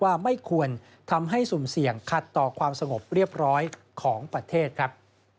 ว่าไม่ควรทำให้สุ่มเสี่ยงขัดต่อความสงบเรียบร้อยของประเทศครับ